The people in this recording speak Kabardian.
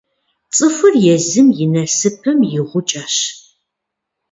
Цӏыхур езым и насыпым и «гъукӏэщ».